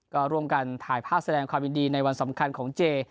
ก็ร่วมกันถ่ายภาพแสดงความยินดีในวันสำคัญของเจ